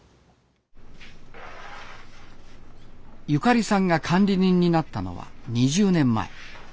ゆかりさんが管理人になったのは２０年前。